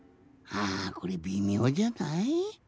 あこれびみょうじゃない？